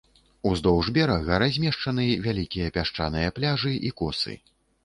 Уздоўж берага размешчаны вялікія пясчаныя пляжы і косы.